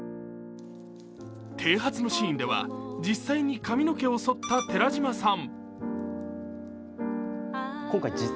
てい髪のシーンでは、実際に髪の毛をそった寺島さん。